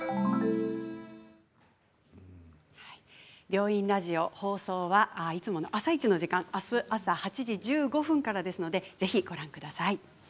「病院ラジオ」いつもの「あさイチ」の時間あす朝、８時１５分からですのでぜひご覧ください。